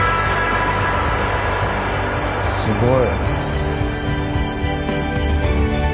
すごい。